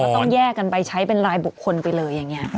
ต้องแยกกันไปใช้เป็นรายบุคคลไปเลยอย่างนี้